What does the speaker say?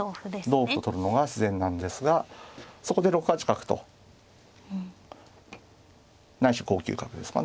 同歩と取るのが自然なんですがそこで６八角とないし５九角ですかね。